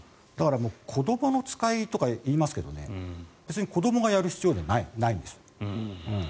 子どもの使いとか言いますけど別に子どもがやる必要はないんです。